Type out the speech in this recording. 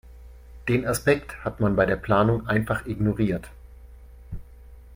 Den Aspekt hat man bei der Planung einfach ignoriert.